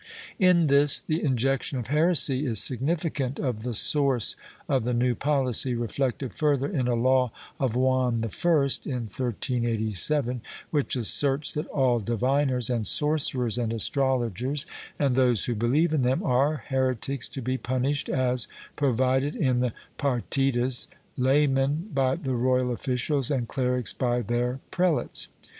^ In this the injection of heresy is significant of the source of the new policy, reflected further in a law of Juan I, in 1387, which asserts that all diviners and sorcerers and astrol ogers, and those who believe in them, are heretics to be punished as provided in the Partidas, laymen by the royal officials and clerics by their prelates.